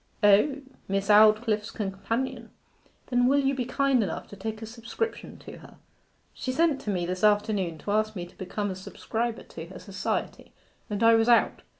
'O, Miss Aldclyffe's companion. Then will you be kind enough to take a subscription to her? She sent to me this afternoon to ask me to become a subscriber to her Society, and I was out.